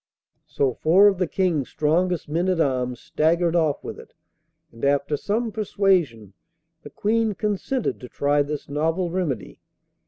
So four of the King's strongest men at arms staggered off with it; and after some persuasion the Queen consented to try this novel remedy.